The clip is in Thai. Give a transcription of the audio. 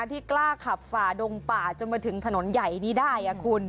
ที่กล้าขับฝ่าดงป่าจนมาถึงถนนใหญ่นี้ได้คุณ